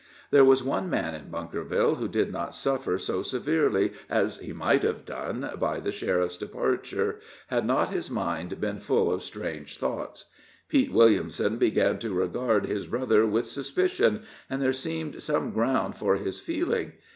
There was one man at Bunkerville who did not suffer so severely as he might have done by the sheriff's departure, had not his mind been full of strange thoughts. Pete Williamson began to regard his brother with suspicion, and there seemed some ground for his feeling.